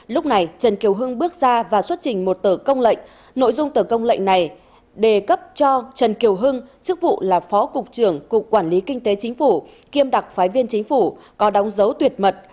lúc này trần kiều hưng bước ra và xuất trình một tờ công lệnh nội dung tờ công lệnh này đề cấp cho trần kiều hưng chức vụ là phó cục trưởng cục quản lý kinh tế chính phủ kiêm đặc phái viên chính phủ có đóng dấu tuyệt mật